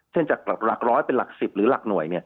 จากหลักร้อยเป็นหลัก๑๐หรือหลักหน่วย